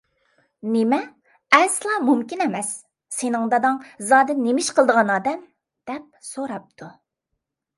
— نېمە؟ ئەسلا مۇمكىن ئەمەس، سېنىڭ داداڭ زادى نېمە ئىش قىلىدىغان ئادەم؟ — دەپ سوراپتۇ.